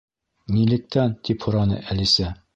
—Нилектән? —тип һораны Әлисә.